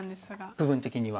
部分的には。